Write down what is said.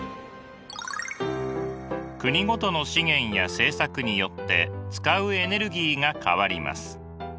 国ごとの資源や政策によって使うエネルギーが変わります。